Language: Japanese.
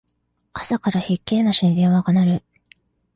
朝からひっきりなしに電話が鳴る